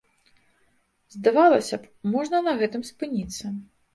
Здавалася б, можна на гэтым спыніцца.